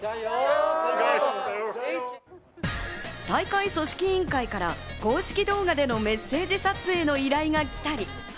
大会組織委員会から公式動画でのメッセージ撮影の依頼がきたり。